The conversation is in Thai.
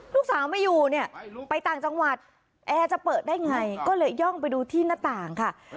ลูกสาวไม่อยู่เนี่ยไปต่างจังหวัดแอร์จะเปิดได้ไงก็เลยย่องไปดูที่หน้าต่างค่ะ